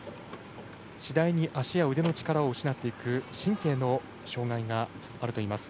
次第に足や腕の力を失っていく神経の障がいがあるといいます。